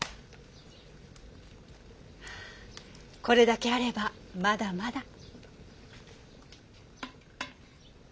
これだけあればまだまだ。